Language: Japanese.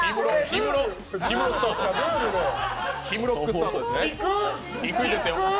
ヒムロックスタートですね。